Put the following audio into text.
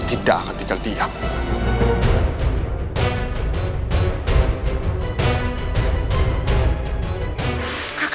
duduk di silirabat